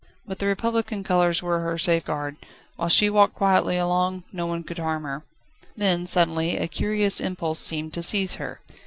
But the Republican colours were her safeguard: whilst she walked quietly along, no one could harm her. Then suddenly a curious impulse seemed to seize her.